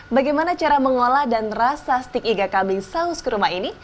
bagaimana cara mengolah dan rasa stik iga kambing saus kurma ini